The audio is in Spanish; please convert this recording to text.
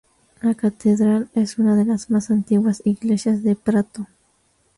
La catedral es una de las más antiguas iglesias de Prato.